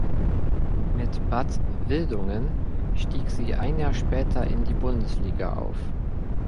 Mit Bad Wildungen stieg sie ein Jahr später in die Bundesliga auf.